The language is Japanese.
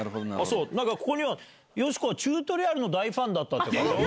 なんかここには、よしこ、チュートリアルの大ファンだったって書いてある。